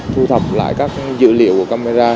thu thập lại các dữ liệu của camera